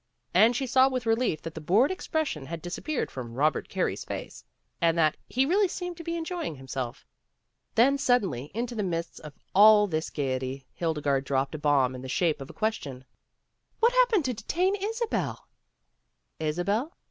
And she saw with relief that the bored expression had disappeared from Eobert Carey's face, and that he really seemed to be enjoying himself. Then suddenly into the midst of all this gaiety, Hildegarde dropped a bomb in the shape of a question. "What happened to de tain Isabel?" "Isabel?"